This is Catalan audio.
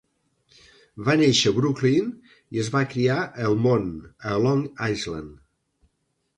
Va néixer a Brooklyn i es va criar a Elmont, a Long Island.